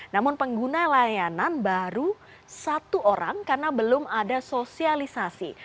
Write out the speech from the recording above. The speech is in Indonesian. namun pengguna layanan baru satu orang karena belum ada sosialisasi